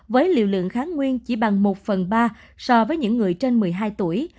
với liều lượng kháng nguyên chỉ bằng một phần ba so với những người trên một mươi hai tuổi